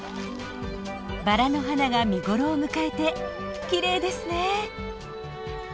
バラの花が見頃を迎えてきれいですね。